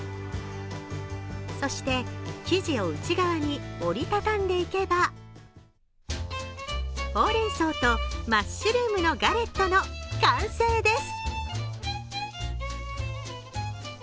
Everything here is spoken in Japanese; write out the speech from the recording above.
そして、生地を内側に折りたたんでいけば、ほうれん草とマッシュルームのガレットの完成です。